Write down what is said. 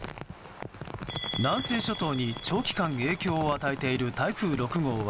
南西諸島に長期間影響を与えている台風６号は